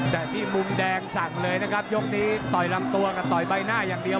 แต่ที่มุมแดงสั่งเลยนะครับยกนี้ต่อยลำตัวกับต่อยใบหน้าอย่างเดียว